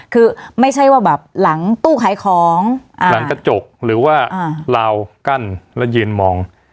คือไม่ใช่ว่าแบบหลังตู้ขายของหลังกระจกหรือว่าลาวกั้นแล้วยืนมอง